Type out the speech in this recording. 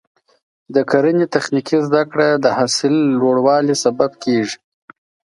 د کرنې تخنیکي زده کړه د حاصل لوړوالي سبب کېږي.